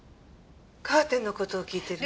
カーテンの事を聞いてる。